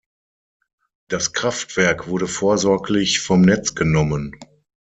Das Kraftwerk wurde vorsorglich vom Netz genommen.